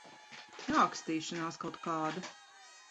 Ākstīšanās kaut kāda.